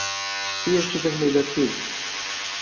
E este vermelho aqui?